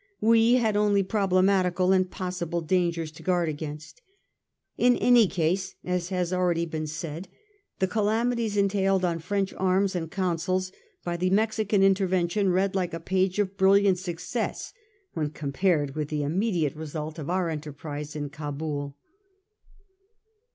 We had only problematical and possible dangers to guard against. In any case, as has been already said, the calamities entailed on French arms and counsels by the Mexican intervention read like a page of brilliant success when compared with the imme diate result of our enterprise in Cabul.